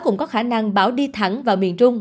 cũng có khả năng bão đi thẳng vào miền trung